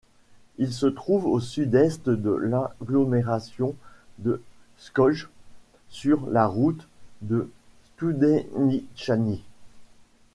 Il se trouve au sud-est de l'agglomération de Skopje, sur la route de Stoudenitchani.